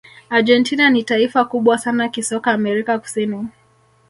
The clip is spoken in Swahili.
argentina ni taifa kubwa sana kisoka amerika kusini